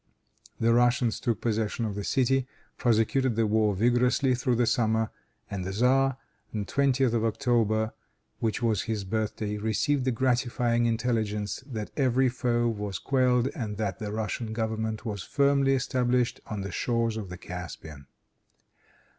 The Russians took possession of the city, prosecuted the war vigorously through the summer, and the tzar, on the 20th of October, which was his birthday, received the gratifying intelligence that every foe was quelled, and that the Russian government was firmly established on the shores of the Caspian.